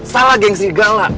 salah geng serigala